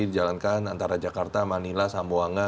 dijalankan antara jakarta manila samboanga